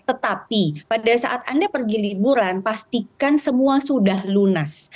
tetapi pada saat anda pergi liburan pastikan semua sudah lunas